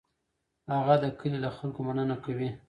هغه د کلي له خلکو مننه کوي.